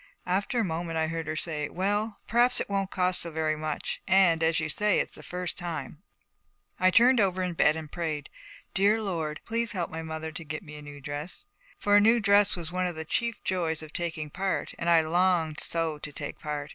After a moment I heard her say, 'Well, perhaps it won't cost so very much, and as you say it's the first time.' I turned over in bed and prayed, 'Dear Lord, please help my mother to get me a new dress.' For a new dress was one of the chief joys of taking part, and I had longed so to take part.